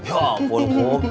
ya ampun kum